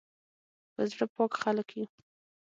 په زړه پاک خلک یو